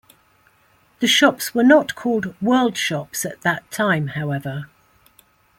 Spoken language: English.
The shops were not called worldshops at that time, however.